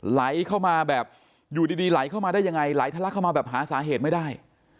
ไหลเข้ามาแบบอยู่ดีไหลเข้ามาได้ยังไงไหลทะลักเข้ามาแบบหาสาเหตุไม่ได้